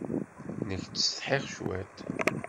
Nekk ttsetḥiɣ cwiṭ.